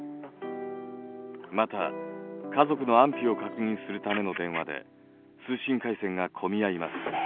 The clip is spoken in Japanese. また家族の安否を確認するための電話で通信回線が混み合います。